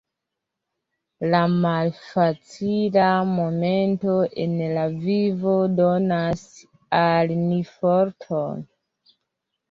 La malfacila momento en la vivo donas al ni forton.